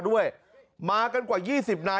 สวัสดีครับคุณผู้ชาย